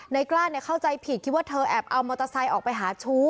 กล้าเข้าใจผิดคิดว่าเธอแอบเอามอเตอร์ไซค์ออกไปหาชู้